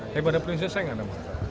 haribadah prinsip saya tidak ada masalah